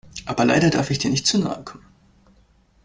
Aber leider darf ich dir nicht zu nahe kommen.